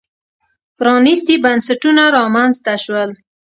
پرانېستي بنسټونه رامنځته شول.